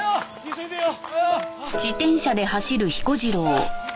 急いでよ。